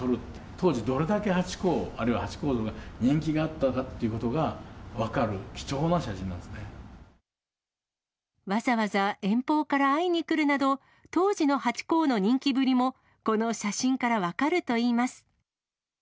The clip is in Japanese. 当時、どれだけハチ公、あるいはハチ公像が人気があったかということが分かる貴重な写真わざわざ遠方から会いに来るなど、当時のハチ公の人気ぶりもこの写真から分かるといいます。